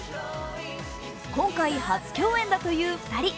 今回、初共演だという２人。